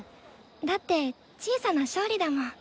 だって小さな勝利だもん。